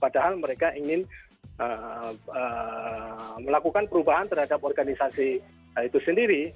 padahal mereka ingin melakukan perubahan terhadap organisasi itu sendiri